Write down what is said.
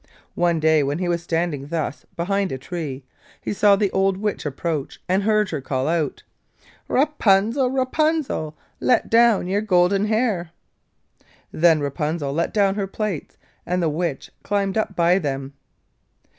One day, when he was standing thus behind a tree, he saw the old Witch approach and heard her call out: 'Rapunzel, Rapunzel, Let down your golden hair.' Then Rapunzel let down her plaits, and the Witch climbed up by them.